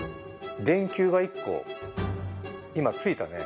電球が１個今ついたね？